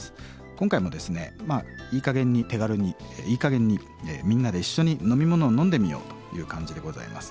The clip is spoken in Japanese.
今回もですねまあいいかげんに手軽にいいかげんにみんなで一緒に飲み物を飲んでみようという感じでございます。